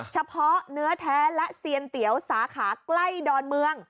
เฉพาะเนื้อแท้และเซียนเตี๋ยวสาขาใกล้ดอนเมือง